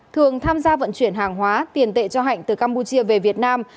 thường tham gia vận chuyển hàng hóa tiền tệ cho hạnh từ campuchia về việt nam